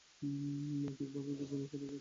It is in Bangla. সে ঠিকভাবে তার অভিনয় চালিয়ে যাচ্ছে।